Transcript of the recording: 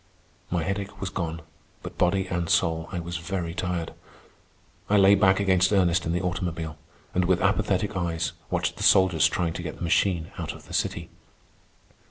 My headache was gone, but, body and soul, I was very tired. I lay back against Ernest in the automobile, and with apathetic eyes watched the soldiers trying to get the machine out of the city.